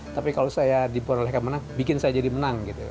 tapi kalau saya diperolehkan menang bikin saya jadi menang gitu